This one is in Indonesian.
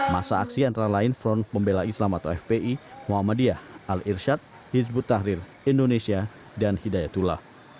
masa aksi antara lain front pembela islam atau fpi muhammadiyah al irsyad hizbut tahrir indonesia dan hidayatullah